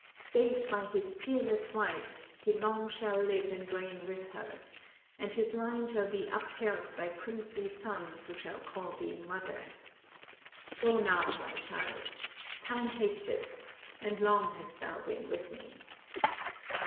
Saved by his peerless wife, he long shall live and reign with her, and his line shall be upheld by princely sons who shall call thee mother. Go now, my child, time hasteth, and long hast thou been with me."